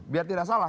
biar tidak salah